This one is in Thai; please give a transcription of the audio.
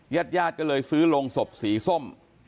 ยัดยัดก็เลยซื้อโร่งศพสีส้ม